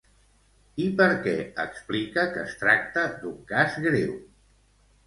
I per què explica que es tracta d'un cas greu?